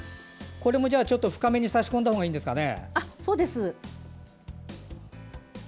これも深めに挿し込んだほうがいいんですかね。